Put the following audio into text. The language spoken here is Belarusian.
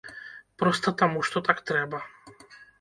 Проста таму што так трэба.